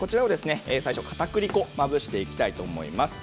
かたくり粉をまぶしていきたいと思います。